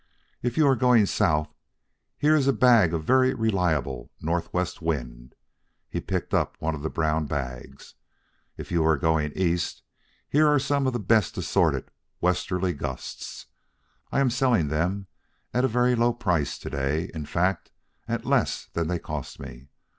"If you are going south, here is a bag of a very reliable northwest wind" (he picked up one of the brown bags); "if you are going east, here are some of the best assorted westerly gusts. I am selling them at a very low price to day, in fact at less than they cost me.